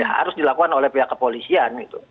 harus dilakukan oleh pihak kepolisian